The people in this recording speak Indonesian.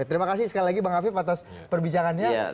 terima kasih sekali lagi bang afif atas perbicaraannya